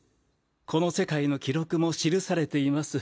この世界の記録も記されています。